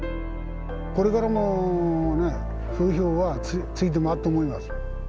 これからも風評はついて回ると思います。